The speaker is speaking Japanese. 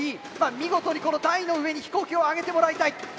Ｂ見事にこの台の上に飛行機を上げてもらいたい。